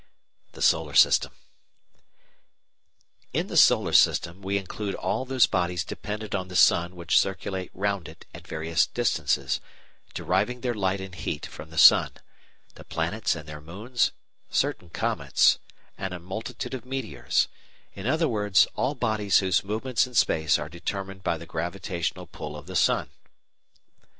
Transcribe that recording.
The Solar System In the Solar System we include all those bodies dependent on the sun which circulate round it at various distances, deriving their light and heat from the sun the planets and their moons, certain comets and a multitude of meteors: in other words, all bodies whose movements in space are determined by the gravitational pull of the sun.